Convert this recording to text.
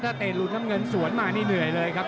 ถ้าเตลูนน้ำเงินสวนมานี่เหนื่อยเลยครับ